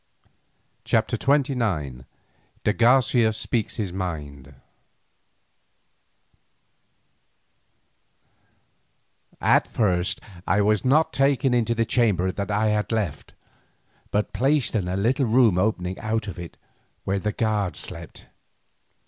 CHAPTER XXIX DE GARCIA SPEAKS HIS MIND At first I was not taken into the chamber that I had left, but placed in a little room opening out of it where the guard slept.